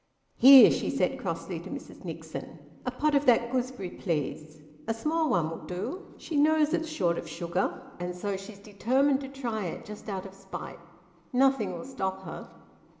"Here," she said crossly to Mrs Nixon. "A pot of that gooseberry, please. A small one will do. She knows it's short of sugar, and so she's determined to try it, just out of spite; and nothing will stop her."